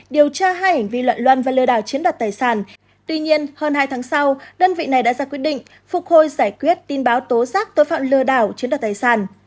đơn vị này đã ra quyết định phục hồi giải quyết tin báo tố giác tối phạm lừa đảo chiến đoạt tài sản